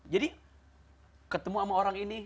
jadi ketemu sama orang ini